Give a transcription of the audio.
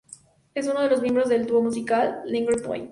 Es uno de los miembros del duo musical, Lagrange Point.